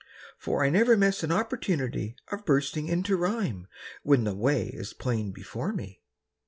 For I never miss an opportunity Of bursting into rhyme. When the way is plain before me.